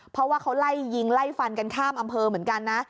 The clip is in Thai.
เพราะว่าเขาไล่ยิงไล่ฟันกันข้ามอำเภอเหมือนกันนะ